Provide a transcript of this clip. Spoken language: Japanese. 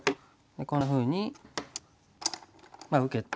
こんなふうにまあ受けて。